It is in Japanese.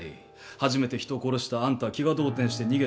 初めて人を殺したあんたは気が動転して逃げた